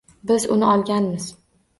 Biz uni olganmiz